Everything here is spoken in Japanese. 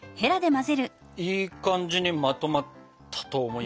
いい感じにまとまったと思います。